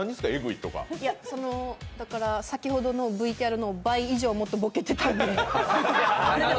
いや、その先ほどのＶＴＲの倍以上もっとボケてたんで。